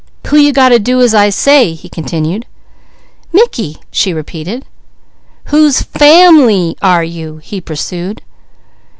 "Who you got to do as I say?" he continued. "Mickey," she repeated. "Whose family are you?" he pursued.